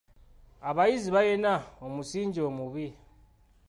Abayizi balina omusingi omubi.